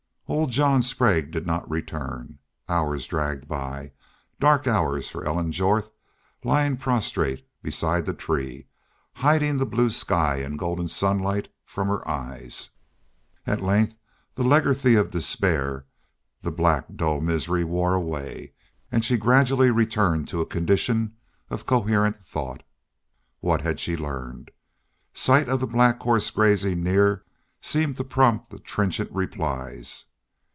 Old John Sprague did not return. Hours dragged by dark hours for Ellen Jorth lying prostrate beside the tree, hiding the blue sky and golden sunlight from her eyes. At length the lethargy of despair, the black dull misery wore away; and she gradually returned to a condition of coherent thought. What had she learned? Sight of the black horse grazing near seemed to prompt the trenchant replies.